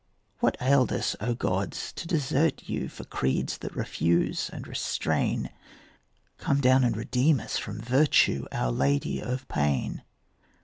What ailed us, O gods, to desert you For creeds that refuse and restrain? Come down and redeem us from virtue, Our Lady of Pain.